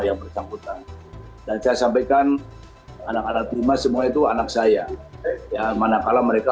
yang bersambutan dan saya sampaikan anak anak timas semua itu anak saya ya mana kalah mereka